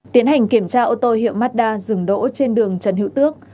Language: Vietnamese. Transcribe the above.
tiến hành kiểm tra ô tô hiệu mazda dừng đỗ trên đường trần hữu tước